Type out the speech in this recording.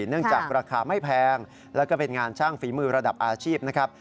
เนื่องจากราคาไม่แพงแล้วก็เป็นงานช่างฝีมือระดับอาชีพนะครับ